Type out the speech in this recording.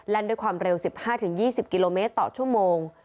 ด้วยความเร็ว๑๕๒๐กิโลเมตรต่อชั่วโมง